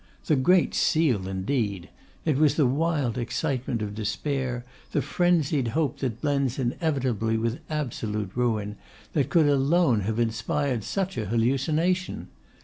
The Great Seal indeed! It was the wild excitement of despair, the frenzied hope that blends inevitably with absolute ruin, that could alone have inspired such a hallucination!